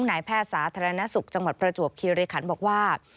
นายแพทย์สาธารณสุขจังหวัดประจวบคิริขันบอกว่า